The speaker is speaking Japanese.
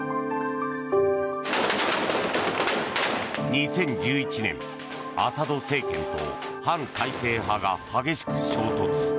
２０１１年、アサド政権と反体制派が激しく衝突。